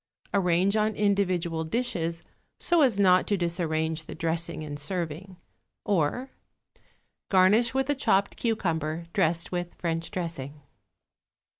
Arrange on individual dishes, so as not to disarrange the dressing in serving. Or, garnish with a chopped cucumber dressed with French dressing.